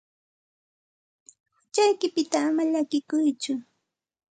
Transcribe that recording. Huchaykipita ama llakikuytsu.